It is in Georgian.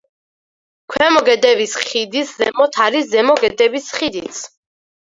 ქვემო გედების ხიდის ზემოთ არის ზემო გედების ხიდიც.